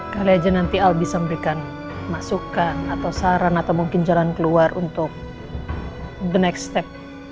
kali aja nanti albi bisa memberikan masukan atau saran atau mungkin jalan keluar untuk the next step